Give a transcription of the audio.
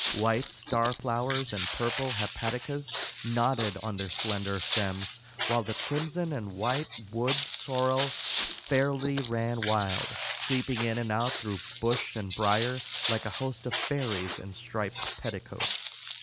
White star flowers and purple hepaticas nodded on their slender stems, while the crimson and white wood sorrel fairly ran wild, creeping in and out through bush and brier, like a host of fairies in striped petticoats.